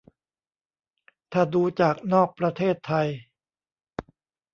ถ้าดูจากนอกประเทศไทย